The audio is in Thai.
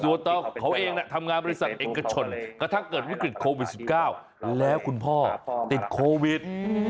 ตัวเขาเองทำงานบริษัทเอกชนกระทั่งเกิดวิกฤตโควิด๑๙แล้วคุณพ่อติดโควิด